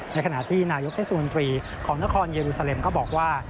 ในขณะที่นายกเทศมนตรีของนครเยอรูซาเลมก็บอกว่า